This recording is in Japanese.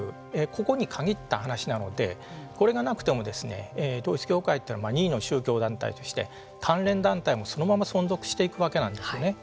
ここに限った話なのでこれがなくても統一教会というのは任意の宗教団体として関連団体もそのまま存続していくわけなんですよね。